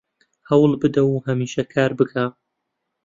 هەوڵ بدە و هەمیشە کار بکە